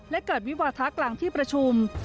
และเกิดวิวาทะกลางที่ประชุม